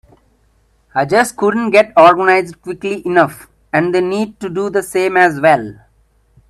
I just couldn't get organized quickly enough, and they need to do the same as well.